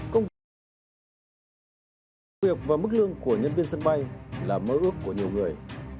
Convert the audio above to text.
công việc và mức lương của nhân viên sân bay là mơ ước của nhiều người